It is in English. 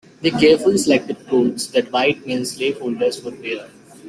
They carefully selected clothes that white male slave holders would wear.